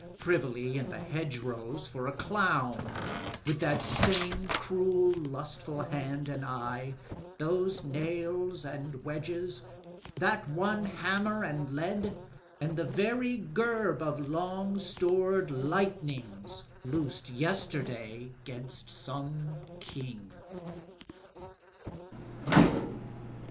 Privily m the hedgerows for a clown With that same cruel lustful hand and eye, Those nails and wedges, that one hammer and lead. And the very gerb of long stored lightnings loosed Yesterday 'gainst some King.